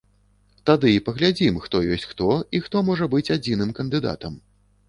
Тады і паглядзім, хто ёсць хто і хто можа быць адзіным кандыдатам.